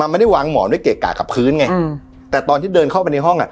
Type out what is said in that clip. ไม่ได้วางหมอนด้วยเกะกะกับพื้นไงแต่ตอนที่เดินเข้าไปในห้องอ่ะ